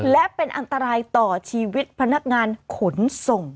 และเป็นอันตรายต่อชีวิตพนักงานขนส่ง